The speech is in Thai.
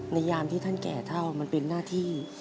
ยามที่ท่านแก่เท่ามันเป็นหน้าที่